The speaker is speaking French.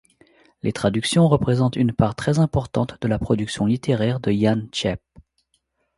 Les traductions représentent une part très importante de la production littéraire de Jan Čep.